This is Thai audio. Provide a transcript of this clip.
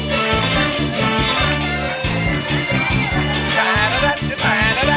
หะหะหะ